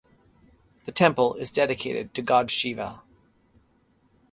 The temple is dedicated to God Shiva.